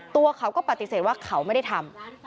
ตัวเขาก็ปฏิเสธว่าเขาไม่ได้ทำ